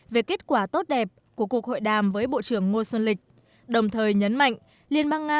về kết quả tốt đẹp của cuộc hội đàm với bộ trưởng ngô xuân lịch đồng thời nhấn mạnh liên bang nga